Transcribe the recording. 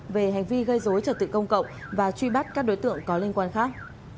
về hành vi gây dối trật tự công cộng và truy bắt các đối tượng có liên quan khác